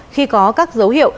khi có các dấu hiệu